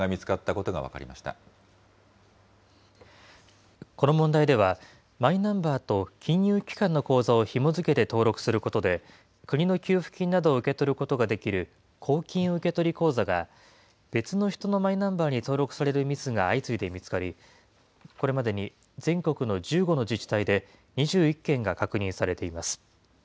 ここの問題では、マイナンバーと金融機関の口座をひも付けて登録することで、国の給付金などを受け取ることができる、公金受取口座が、別の人のマイナンバーに登録されるミスが相次いで見つかり、これまでに全国の１５の自治体で、２１件が確認されています。